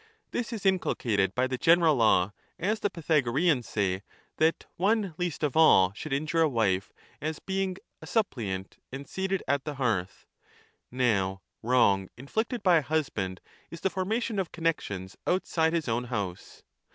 This is inculcated by the general law, as the Pythagoreans say, 10 that one least of all should injure a wife as bein a suppliant and seated at the hearth . Now wrong in flicted by a husband is the formation of connexions outside his own house.